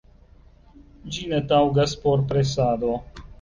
Ĝi ne taŭgas por presado.